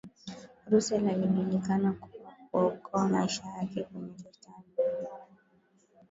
russell alijulikana kwa kuokoa maisha yake kwenye titanic